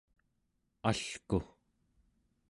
alku